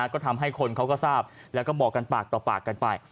ก็ทำให้คนเขาก็ทราบแล้วก็บอกกันปากต่อปากกันไป